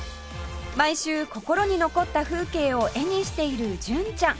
毎週心に残った風景を絵にしている純ちゃん